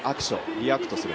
リアクトする。